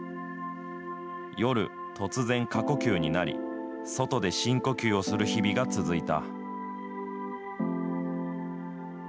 夜、突然過呼吸になり、外で深呼吸をする日々が続いた。